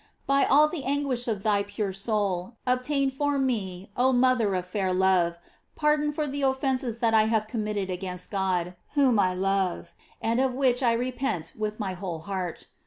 By all the anguish of thy pure aoul, obtain for me, oh mother of fair love, par GLORIES OF MARY. 777 don for the offences that I have committed against my God, whom I love, and of which I repent with my whole heart.